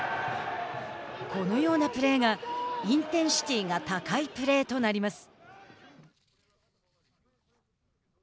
このようなプレーがインテンシティが高いプレーとなります。